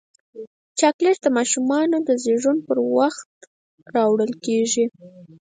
چاکلېټ د ماشومانو د زیږون پر ورځ راوړل کېږي.